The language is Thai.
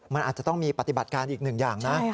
มันอาจจะต้องมีปฏิบัติการอีกหนึ่งอย่างนะ